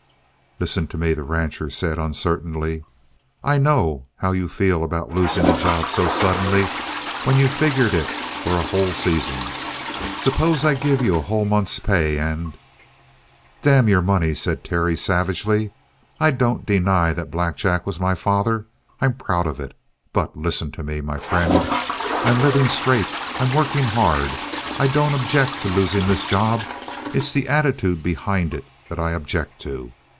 "Listen to me," the rancher said uncertainly. "I know how you feel about losing a job so suddenly when you figured it for a whole season. Suppose I give you a whole month's pay and " "Damn your money!" said Terry savagely. "I don't deny that Black Jack was my father. I'm proud of it. But listen to me, my friend. I'm living straight. I'm working hard. I don't object to losing this job. It's the attitude behind it that I object to.